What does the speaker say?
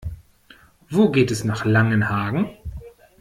Wo geht es nach Langenhagen?